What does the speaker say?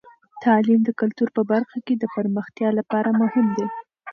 تعلیم د کلتور په برخه کې د پرمختیا لپاره مهم دی.